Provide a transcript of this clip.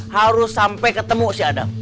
harus sampai ketemu si adam